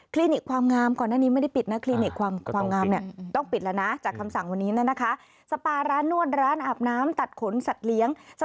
กลางกงกลางเกง